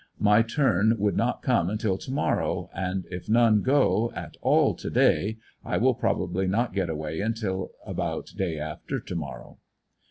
My turn would not come until to morrow, and if none go at all to day I will probably not get away until about day after to morrow.